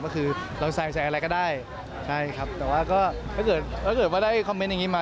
ก็คือเราใส่อะไรก็ได้แต่ว่าก็ถ้าเกิดได้คอมเมนต์อย่างนี้มา